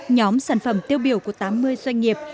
nhóm sản phẩm tiêu biểu của tám mươi doanh nghiệp